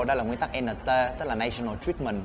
đó là nguyên tắc nt tức là national treatment